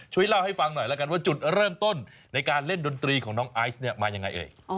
ช่วยเล่าให้ฟังหน่อยแล้วกันว่าจุดเริ่มต้นในการเล่นดนตรีของน้องไอซ์เนี่ยมายังไงเอ่ย